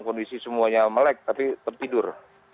kondisi semuanya melek tapi tertidur